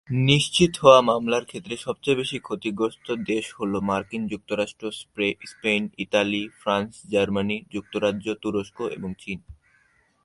নিশ্চিত হওয়া মামলার ক্ষেত্রে সবচেয়ে বেশি ক্ষতিগ্রস্ত দেশ হ'ল মার্কিন যুক্তরাষ্ট্র, স্পেন, ইতালি, ফ্রান্স, জার্মানি, যুক্তরাজ্য, তুরস্ক এবং চীন।